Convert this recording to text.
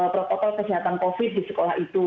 protokol kesehatan covid di sekolah itu